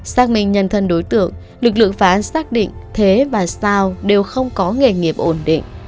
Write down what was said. xác minh nhân thân đối tượng lực lượng phá án xác định thế và sao đều không có nghề nghiệp ổn định